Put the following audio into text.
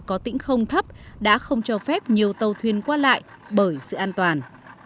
có tĩnh không thấp đã không cho phép nhiều tàu thuyền qua lại bởi sự an toàn